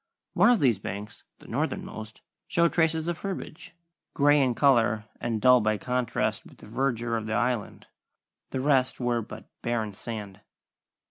One of these banks the northernmost showed traces of herbage, grey in colour and dull by contrast with the verdure of the Island. The rest were but barren sand.